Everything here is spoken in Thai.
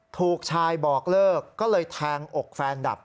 ถูกชายบอกเลิกก็เลยแทงอกแฟนดับ